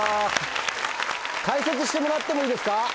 解説してもらってもいいですか？